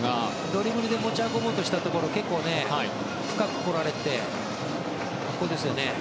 ドリブルで持ち運ぼうとしたところ結構、深く来られて。